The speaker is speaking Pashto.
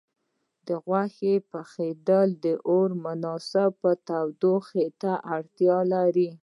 د غوښې پخېدل د اور مناسبې تودوخې ته اړتیا لري.